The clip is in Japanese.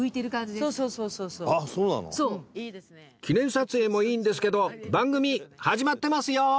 記念撮影もいいんですけど番組始まってますよ！